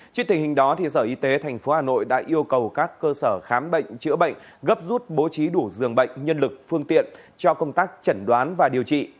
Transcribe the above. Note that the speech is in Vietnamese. trước tình hình đó sở y tế tp hà nội đã yêu cầu các cơ sở khám bệnh chữa bệnh gấp rút bố trí đủ dường bệnh nhân lực phương tiện cho công tác chẩn đoán và điều trị